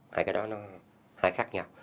hai cái đó nó hai khác nhau